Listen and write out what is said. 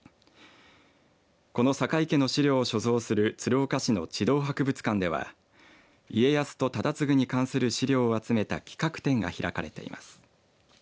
この酒井家の資料を所蔵する鶴岡市の致道博物館では家康と忠次に関する資料を集めた企画展が開かれています。